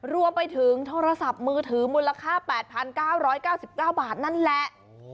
รวมไปถึงโทรศัพท์มือถือมูลค่า๘๙๙๙บาทนั่นแหละ